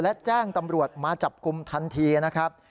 และแจ้งตำรวจมาจับกลุ่มทันทีนะครับ